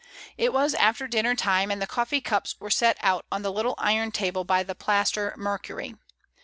It was afler dinner time, and the coffee cups were set out on the little iron table by the plaster Mercury.